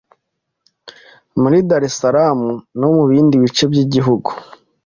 muri Dar es Salaam no mu bindi bice by'igihugu.